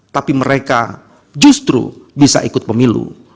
tapi mereka justru bisa ikut pemilu